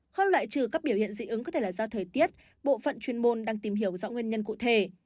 khoát loại trừ các biểu hiện dị ứng có thể là do thời tiết bộ phận chuyên môn đang tìm hiểu rõ nguyên nhân cụ thể